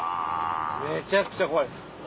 めちゃくちゃ怖いです。